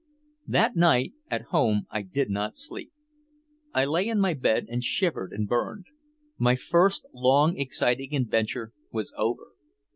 That night at home I did not sleep. I lay in my bed and shivered and burned. My first long exciting adventure was over.